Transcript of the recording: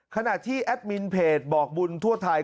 ขณะที่แอดมินเพจบอกบุญทั่วไทย